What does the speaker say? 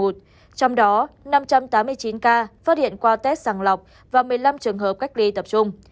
trong đó năm trăm tám mươi chín ca phát hiện qua test sàng lọc và một mươi năm trường hợp cách ly tập trung